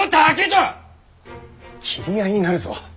斬り合いになるぞ。